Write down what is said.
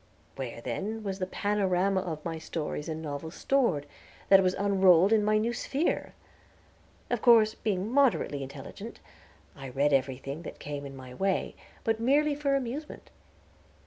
Where then was the panorama of my stories and novels stored, that was unrolled in my new sphere? Of course, being moderately intelligent I read everything that came in my way, but merely for amusement.